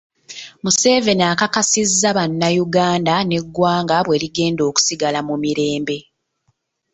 Museveni akakasizza bannayuganda ng’eggwanga bwe ligenda okusigala mu mirembe.